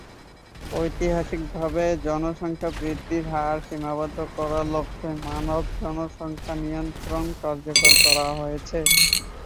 ঐতিহাসিকভাবে, জনসংখ্যা বৃদ্ধির হার সীমাবদ্ধ করার লক্ষ্যে মানব জনসংখ্যা নিয়ন্ত্রণ কার্যকর করা হয়েছে।